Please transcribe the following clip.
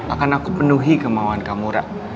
akan aku penuhi kemauan kamu